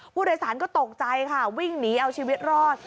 ผู้โดยสารก็ตกใจค่ะวิ่งหนีเอาชีวิตรอด